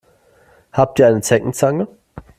Habt ihr eine Zeckenzange?